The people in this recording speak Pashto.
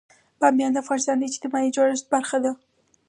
بامیان د افغانستان د اجتماعي جوړښت برخه ده.